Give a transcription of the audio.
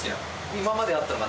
今まであったのが。